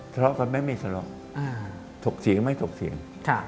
ทะเลาะกันไม่มีทะเลาะถกเสียงไม่ถกเสียง